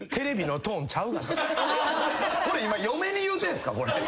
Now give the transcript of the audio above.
これ今嫁に言うてんすか？